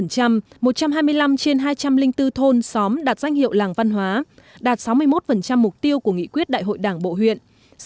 một trăm hai mươi năm trên hai trăm linh bốn thôn xóm đạt danh hiệu làng văn hóa đạt sáu mươi một mục tiêu của nghị quyết đại hội đảng bộ huyện